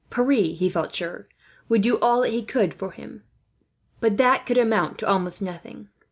Pierre, he felt sure, would do all that he could for him; but that could amount to almost nothing.